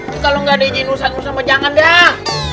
kita lo nggak diinjin usah usah pejangan dah